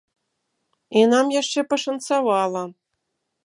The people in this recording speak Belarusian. І нам яшчэ пашанцавала.